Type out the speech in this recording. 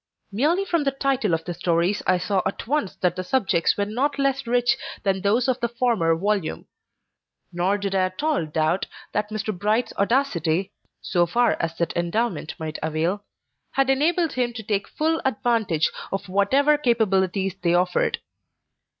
Merely from the title of the stories I saw at once that the subjects were not less rich than those of the former volume; nor did I at all doubt that Mr. Bright's audacity (so far as that endowment might avail) had enabled him to take full advantage of whatever capabilities they offered.